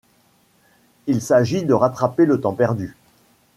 Il s'agit de rattraper le temps perdu.